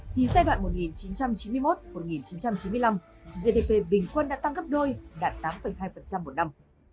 thì giai đoạn một nghìn chín trăm chín mươi một một nghìn chín trăm chín mươi năm gdp bình quân đã tăng gấp đôi đạt tám hai một năm